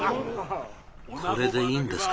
これでいいんですか？